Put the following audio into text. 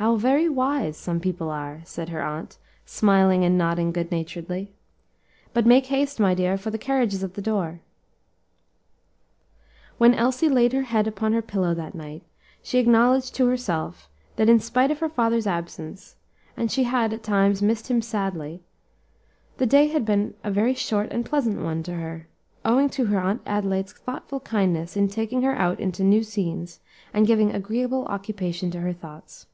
how very wise some people are," said her aunt, smiling and nodding good naturedly. "But make haste, my dear, for the carriage is at the door." When Elsie laid her head upon her pillow that night she acknowledged to herself, that in spite of her father's absence and she had, at times, missed him sadly the day had been a very short and pleasant one to her, owing to her Aunt Adelaide's thoughtful kindness in taking her out into new scenes, and giving agreeable occupation to her thoughts.